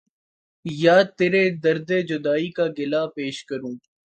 یا ترے درد جدائی کا گلا پیش کروں